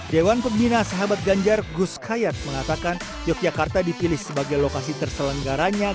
dewan pembina sahabat ganjar gus khayat mengatakan yogyakarta dipilih sebagai lokasi terselenggaranya